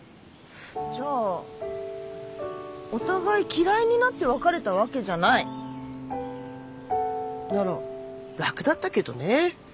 じゃあお互い嫌いになって別れたわけじゃない？なら楽だったけどね。